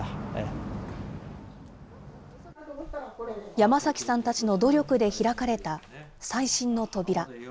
山崎さんたちの努力で開かれた再審の扉。